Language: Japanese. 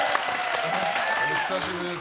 お久しぶりです。